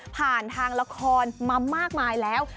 ผ่านทางละครมามากมายแล้ว